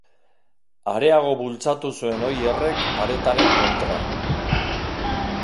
Areago bultzatu zuen Oierrek paretaren kontra.